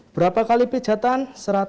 berapa kali pijatan